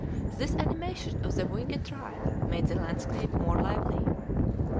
This animation of the winged tribe made the landscape more lively.